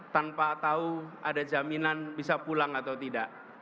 tanpa tahu ada jaminan bisa pulang atau tidak